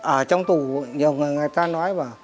ở trong tù nhiều người người ta nói